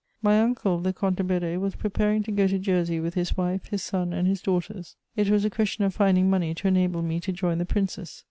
My uncle, the Comte de Bedée, was preparing to go to Jersey with his wife, his son, and his daughters. It was a question of finding money to enable me to join the Princes.